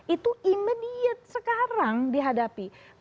itu imediat sekarang dihadapi